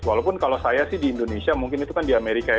walaupun kalau saya sih di indonesia mungkin itu kan di amerika ya